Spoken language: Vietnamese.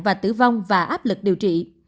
và tử vong và áp lực điều trị